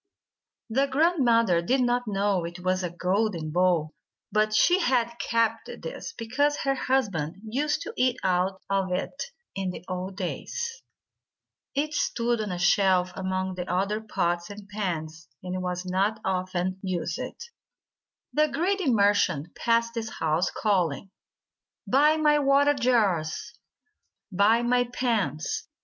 The grandmother did not know it was a golden bowl, but she had kept this because her husband used to eat out of it in the old days. It 13 JATAKA TALES stood on a shelf among the other pots and pans, and was not often used. He threw the bowl on the ground. The greedy merchant passed this house, calling, "Buy my water jars! Buy my pans!"